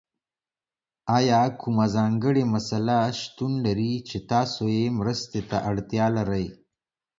ایا کومه ځانګړې مسله شتون لري چې تاسو یې مرستې ته اړتیا لرئ؟